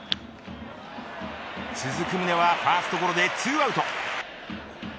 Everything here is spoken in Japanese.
続く宗はファーストゴロで２アウト。